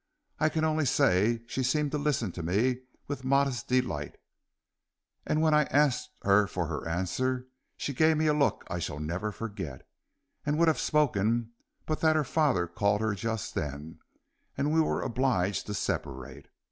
I can only say she seemed to listen to me with modest delight, and when I asked her for her answer she gave me a look I shall never forget, and would have spoken but that her father called her just then, and we were obliged to separate.